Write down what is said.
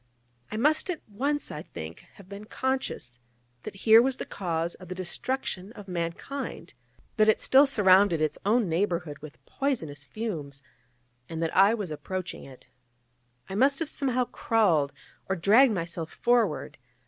I must at once, I think, have been conscious that here was the cause of the destruction of mankind; that it still surrounded its own neighbourhood with poisonous fumes; and that I was approaching it. I must have somehow crawled, or dragged myself forward.